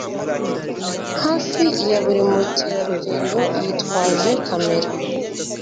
Hafi ya buri mukerarugendo yitwaje kamera